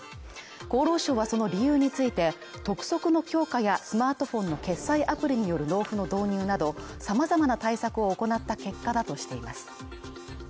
厚労省はその理由について督促の強化やスマートフォンの決済アプリによる納付の導入など、様々な対策を行った結果だとしています。